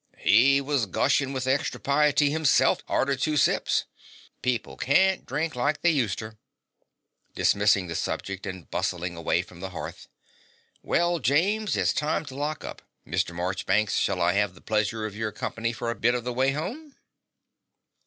He was gushin' with hextra piety hisself arter two sips. People carn't drink like they huseter. (Dismissing the subject and bustling away from the hearth.) Well, James: it's time to lock up. Mr. Morchbanks: shall I 'ave the pleasure of your company for a bit of the way home?